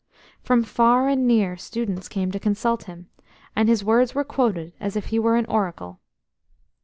From far and near students came to consult him, and his words were quoted as if he were an oracle.